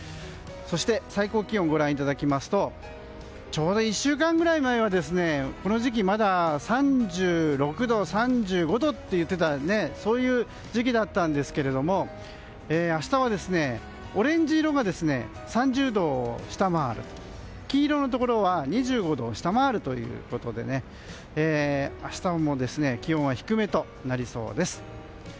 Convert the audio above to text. そして最高気温をご覧いただきますとちょうど１週間ぐらい前はこの時期まだ３６度や３５度といっていた時期だったんですが明日はオレンジ色が３０度を下回る黄色のところは２５度を下回るということで明日も気温は低めとなりそうです。